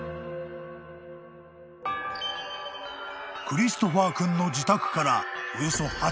［クリストファー君の自宅からおよそ８ｋｍ先］